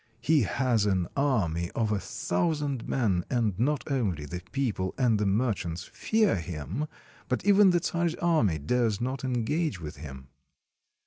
He has an army of a thousand men, and not only the people and the mer chants fear him, but even the czar's army dares not engage with him."